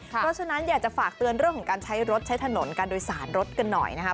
เพราะฉะนั้นอยากจะฝากเตือนเรื่องของการใช้รถใช้ถนนการโดยสารรถกันหน่อยนะครับ